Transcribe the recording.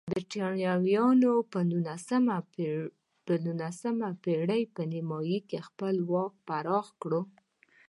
برېټانویانو په نولسمې پېړۍ په نیمایي کې خپل واک پراخ کړ.